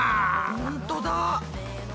ほんとだ！